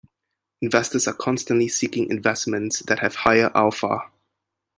Investors are constantly seeking investments that have higher alpha.